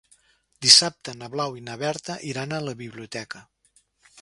Dissabte na Blau i na Berta iran a la biblioteca.